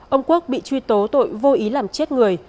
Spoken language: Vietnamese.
ông quốc bị truy tố tội vô ý làm chết người